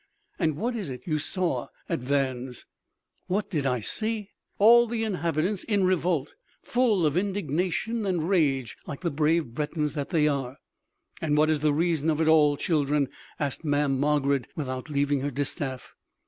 "And what is it you saw at Vannes?" "What did I see? All the inhabitants, in revolt, full of indignation and rage, like the brave Bretons that they are!" "And what is the reason of it all, children?" asked Mamm' Margarid without leaving her distaff.